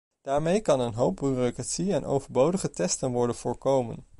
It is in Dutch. Daarmee kan een hoop bureaucratie en overbodig testen worden voorkomen.